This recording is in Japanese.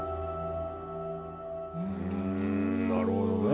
うんなるほどね。